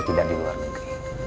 tidak di luar negeri